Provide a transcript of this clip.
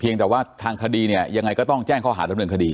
ยังแต่ว่าทางคดีเนี่ยยังไงก็ต้องแจ้งข้อหาดำเนินคดี